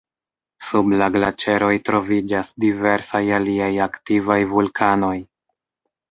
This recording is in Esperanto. Sub la glaĉeroj troviĝas diversaj aliaj aktivaj vulkanoj.